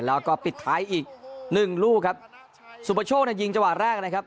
แล้วก็ปิดท้ายอีกหนึ่งลูกครับสุประโชคเนี่ยยิงจังหวะแรกนะครับ